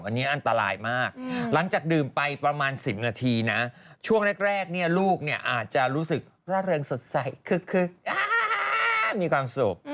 อันนี้อันตรายมากหลังจากดื่มไปประมาณ๑๐นาทีนะช่วงแรกลูกเนี่ยอาจจะรู้สึกร่าเริงสดใสคึกมีความสุข